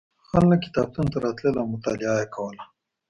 خلک کتابتون ته راتلل او مطالعه یې کوله.